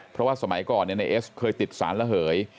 เพราะว่าสมัยก่อนในเอสเคยติดสารระเหย